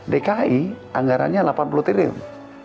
dki anggarannya delapan puluh triliun